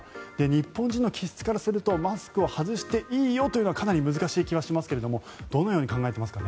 日本人の気質からするとマスクを外していいよというのはかなり難しい気はしますけどどのように考えていますか。